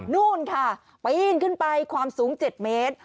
นู่นค่ะปีนขึ้นไปความสูง๗เมตร